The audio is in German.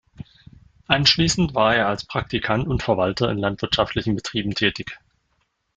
Anschließend war er als Praktikant und Verwalter in landwirtschaftlichen Betrieben tätig.